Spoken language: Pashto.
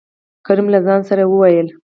کريم : له ځان سره يې ووېل: